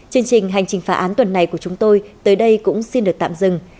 chương trình hành trình phá án tuần này của chúng tôi tới đây cũng xin được tạm dừng